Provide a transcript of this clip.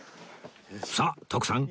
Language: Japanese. さあ徳さん